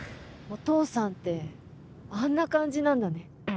お父さんってあんな感じなんだね。